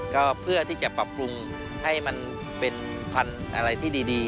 ก็เพื่อที่จะปรับปรุงให้มันเป็นพันธุ์อะไรที่ดี